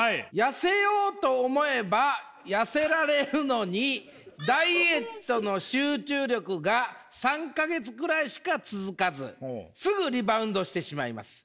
「痩せようと思えば痩せられるのにダイエットの集中力が３か月ぐらいしか続かずすぐリバウンドしてしまいます。